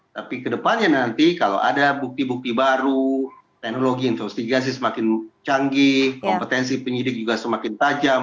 tapi kedepannya nanti kalau ada bukti bukti baru teknologi investigasi semakin canggih kompetensi penyidik juga semakin tajam